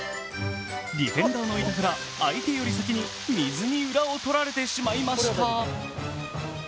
ディフェンダーの板倉、相手より先に水に裏を取られてしまいました。